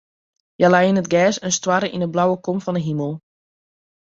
Hja lei yn it gers en stoarre yn de blauwe kom fan de himel.